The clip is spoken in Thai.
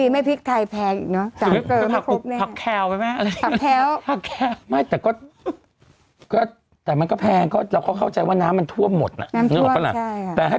ไม่พริกไทยแพงอีกเนอะ